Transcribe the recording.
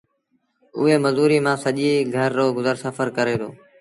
اُئي مزوريٚ مآݩ سڄي گھر رو گزر سڦر ڪريݩ دآ۔